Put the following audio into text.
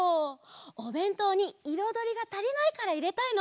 おべんとうにいろどりがたりないからいれたいの。